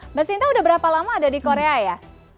mbak sinta udah berapa lama ada di korea ya